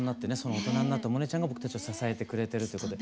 大人になった萌音ちゃんが僕たちを支えてくれてるっていうことで。